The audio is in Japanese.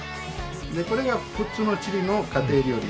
これが普通のチリの家庭料理。